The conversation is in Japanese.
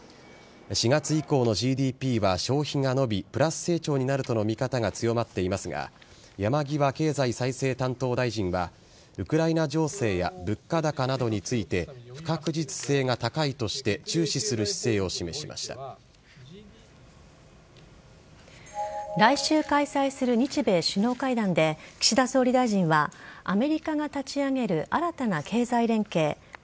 ４月以降のＧＤＰは消費がプラス成長になるとの見方が強まっていますが山際大臣経済再生担当大臣はウクライナ情勢や物価高などについて不確実性が高いとして来週開催する日米首脳会談で岸田総理大臣はアメリカが立ち上げる新たな経済連携